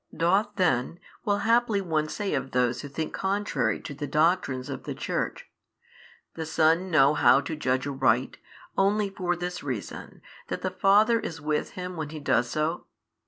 "Doth then," will haply one say of those who think contrary to the doctrines of the Church, "the Son know how to judge aright, only for this reason, that the Father is with Him when He does so?